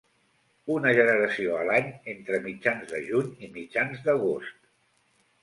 Una generació a l'any entre mitjans de juny i mitjans d'agost.